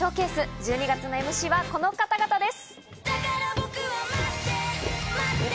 １２月のＭＣはこの方々です。